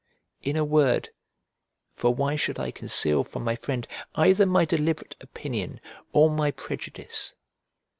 In a word, (for why should I conceal from my friend either my deliberate opinion or my prejudice?)